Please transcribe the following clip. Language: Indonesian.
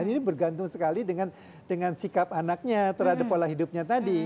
ini bergantung sekali dengan sikap anaknya terhadap pola hidupnya tadi